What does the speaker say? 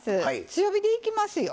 強火でいきますよ。